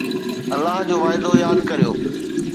الله جو وعدو ياد ڪريو